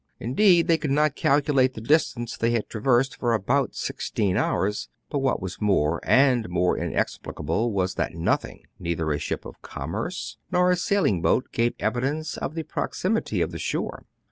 Indeed, they could not calculate the distance they had traversed for about sixteen hours ; but what was more and more inexplicable was, that nothing — neither ship of commerce nor a fishing boat — gave evi dence of the proximity of the shore.